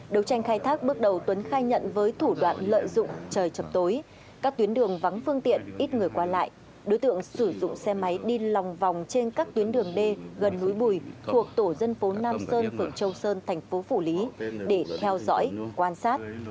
đấu tranh khai thác bước đầu tuấn khai nhận với thủ đoạn lợi dụng trời chập tối các tuyến đường vắng phương tiện ít người qua lại đối tượng sử dụng xe máy đi lòng vòng trên các tuyến đường d gần núi bùi thuộc tổ dân phố nam sơn phượng châu sơn thành phố phủ lý để theo dõi quan sát